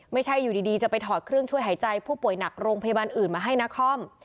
ไม่ใช่อยู่ดีจะไปถอดเครื่องช่วยหายใจผู้ป่วยหนักโรงพยาบาลอื่นมาให้นคร